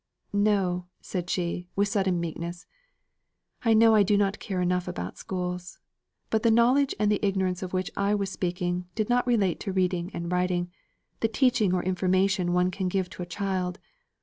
"No!" she said, with sudden meekness. "I know I do not care enough about schools. But the knowledge and the ignorance of which I was speaking did not relate to reading and writing, the teaching or information one can give to a child.